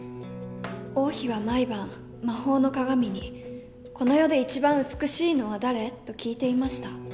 王妃は毎晩魔法の鏡に「この世で一番美しいのは誰？」と聞いていました。